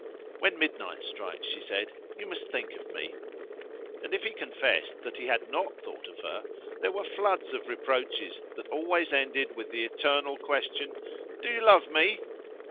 "When midnight strikes," she said, "you must think of me." And if he confessed that he had not thought of her, there were floods of reproaches that always ended with the eternal question "Do you love me?"